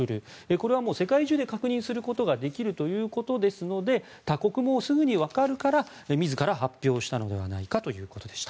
これはもう世界中で確認することができるということですので他国もすぐにわかるから自ら発表したのではないかということでした。